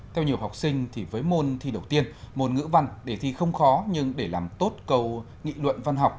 theo nhiều học sinh thì với môn thi đầu tiên môn ngữ văn để thi không khó nhưng để làm tốt cầu nghị luận văn học